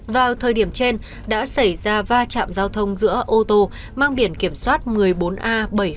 vào thời điểm trên đã xảy ra va chạm giao thông giữa ô tô mang biển kiểm soát một mươi bốn a bảy mươi nghìn bảy trăm tám mươi bảy